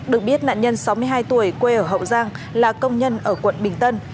được biết nạn nhân sáu mươi hai tuổi quê ở hậu giang là công nhân ở quận bình tân